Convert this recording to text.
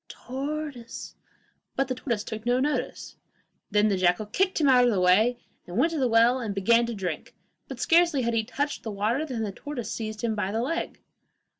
tortoise!' but the tortoise took no notice. Then the jackal kicked him out of the way, and went to the well and began to drink, but scarcely had he touched the water, than the tortoise seized him by the leg.